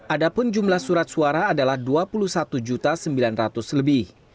ada pun jumlah surat suara adalah dua puluh satu sembilan ratus lebih